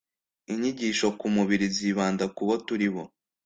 inyigisho ku mubiri zibanda kubo turibo